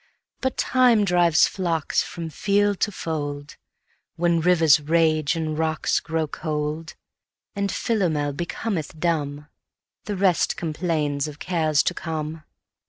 Time drives the flocks from field to fold, When rivers rage and rocks grow cold; And Philomel becometh dumb; The rest complains of cares to come.